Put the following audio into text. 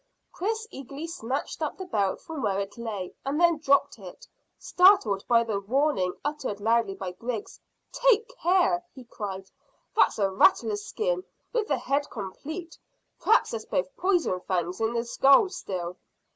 Chris eagerly snatched up the belt from where it lay, and then dropped it, startled by the warning uttered loudly by Griggs. "Take care!" he cried. "That's a rattler's skin, with the head complete. P'r'aps there's both poison fangs in the skull still."